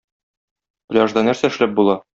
Пляжда нәрсә эшләп була?